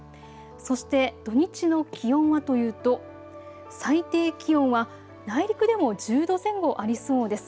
そして土日の気温はというと最低気温は内陸でも１０度前後ありそうです。